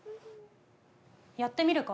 やってみるか？